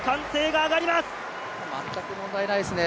全く問題ないですね。